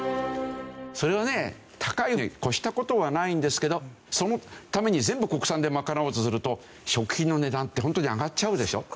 それはね高いに越した事はないんですけどそのために全部国産で賄おうとすると食費の値段ってホントに上がっちゃうでしょ？